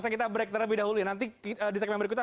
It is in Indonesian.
kita break terlebih dahulu ya nanti di segmen berikutnya